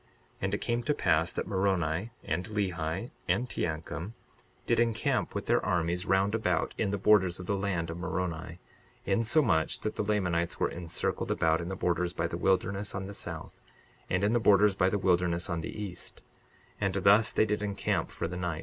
62:34 And it came to pass that Moroni and Lehi and Teancum did encamp with their armies round about in the borders of the land of Moroni, insomuch that the Lamanites were encircled about in the borders by the wilderness on the south, and in the borders by the wilderness on the east. 62:35 And thus they did encamp for the night.